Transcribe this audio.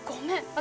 私